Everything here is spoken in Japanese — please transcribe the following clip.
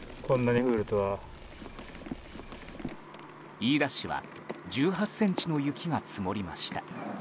飯田市は１８ｃｍの雪が積もりました。